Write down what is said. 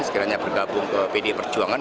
sekiranya bergabung ke pdi perjuangan